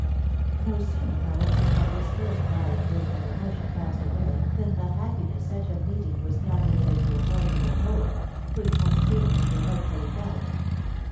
No sooner, however, had this first violent burst of emotion passed away, than the happiness such a meeting was calculated to afford to both of them was most keenly and delightfully felt.